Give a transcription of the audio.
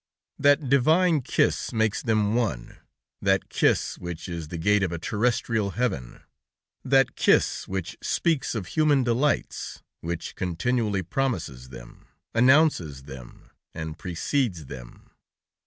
That divine kiss makes them one, that kiss, which is the gate of a terrestrial heaven, that kiss which speaks of human delights, which continually promises them, announces them, and precedes them.